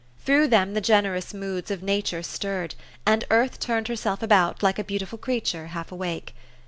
Through them the generous moods of nature stirred, and earth turned herself about like a beau tiful creature half awake.